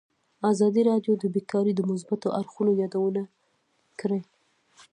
ازادي راډیو د بیکاري د مثبتو اړخونو یادونه کړې.